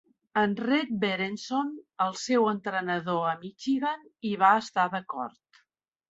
En Red Berenson, el seu entrenador a Michigan, hi va estar d'acord.